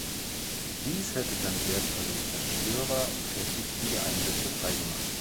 Dies hätte dann wertvolle Zerstörer für wichtige Einsätze frei gemacht.